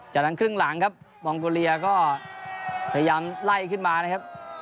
จากนั้นครึ่งหลังครับมองโกเลียก็พยายามไล่ขึ้นมานะครับ